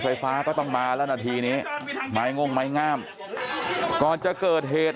ไฟฟ้าก็ต้องมาแล้วนาทีนี้ไม้ง่งไม้งามก่อนจะเกิดเหตุ